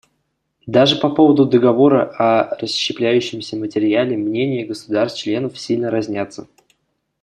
Даже по поводу договора о расщепляющемся материале мнения государств-членов сильно разнятся.